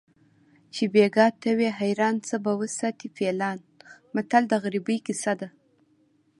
چې بیګا ته وي حیران څه به وساتي فیلان متل د غریبۍ کیسه ده